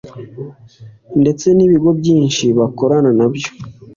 ndetse n’ibigo byinshi bakorana nabyo